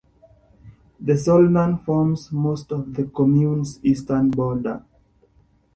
The Solnan forms most of the commune's eastern border.